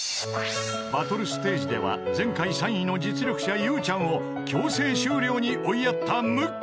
［バトルステージでは前回３位の実力者ゆうちゃんを強制終了に追いやったムック］